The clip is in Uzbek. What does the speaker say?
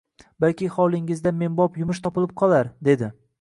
Balki hovlingizda menbop yumush topilib qolar, dedi